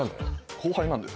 後輩なんです